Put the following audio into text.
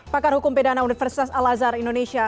pakar hukum pidana universitas al azhar indonesia